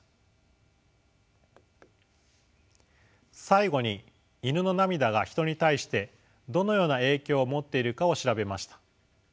最後にイヌの涙がヒトに対してどのような影響を持っているかを調べました。